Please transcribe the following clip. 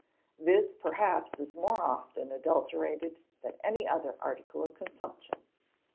This perhaps is more often adulterated than any other article of consumption.